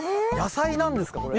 野菜なんですか？